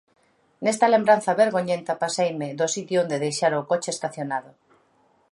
Nesta lembranza vergoñenta paseime do sitio onde deixara o coche estacionado.